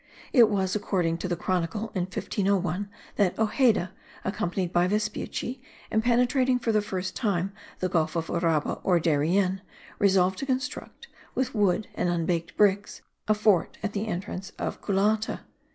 It was, according to the Chronicle, in 1501 that Ojeda, accompanied by Vespucci, and penetrating for the first time the Gulf of Uraba or Darien, resolved to construct, with wood and unbaked bricks, a fort at the entrance of Culata.